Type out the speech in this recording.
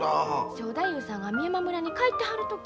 正太夫さんが美山村に帰ってはる時や。